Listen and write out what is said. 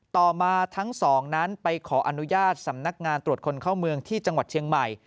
ต่อมาทั้งสองนั้นไปขออนุญาตสำนักงานตรวจคนเข้าเมืองที่จังหวัดเชียงใหม่